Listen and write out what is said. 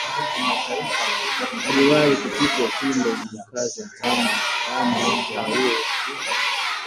Aliwahi kupigwa fimbo na mkaza amu Rama kwa huo